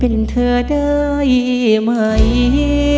เป็นเธอได้ไหม